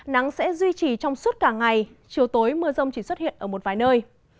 nắng sẽ duy trì trong suốt cả ngày chiều tối mưa rông chỉ xuất hiện ở một vài nơi